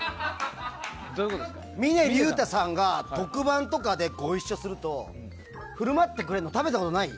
峰竜太さんが特番とかでご一緒するとふるまってくれるの食べたことない？